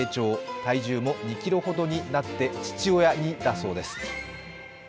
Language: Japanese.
体重も２ｋｇほどになって父親似だそうです。